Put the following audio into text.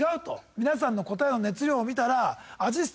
皆さんの答えの熱量を見たら。